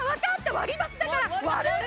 割り箸だから割る。